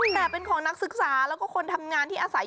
แต่เป็นของนักศึกษาแล้วก็คนทำงานที่อาศัย